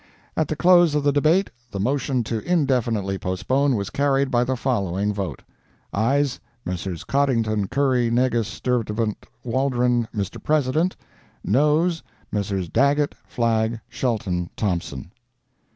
At the close of the debate, the motion to indefinitely postpone was carried by the following vote: AYES—Messrs. Coddington, Curry, Negus, Sturtevant, Waldron, Mr. President. NOES—Messrs. Daggett, Flagg, Sheldon, Thompson.